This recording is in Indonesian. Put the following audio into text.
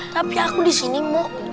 tapi aku disini mau